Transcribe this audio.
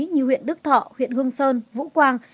như huyện đức thọ huyện hương sơn vũ quang